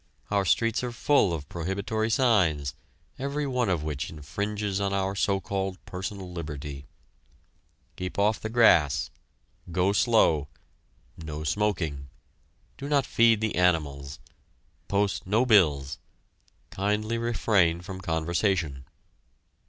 Our streets are full of prohibitory signs, every one of which infringes on our so called personal liberty: "Keep off the grass," "Go slow," "No smoking," "Do not feed the animals," "Post no bills," "Kindly refrain from conversation."